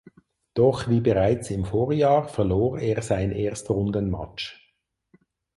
Doch wie bereits im Vorjahr verlor er sein Erstrundenmatch.